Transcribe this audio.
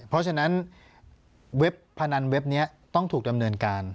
เพราะฉะนั้นเว็บพนันเว็บนี้ต้องถูกดำเนินการ